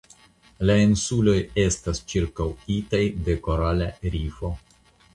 La insuloj estas ĉirkaŭitaj de korala rifo.